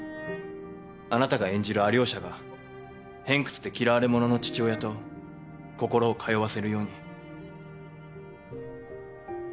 あなたが演じるアリョーシャが偏屈で嫌われ者の父親と心を通わせるように。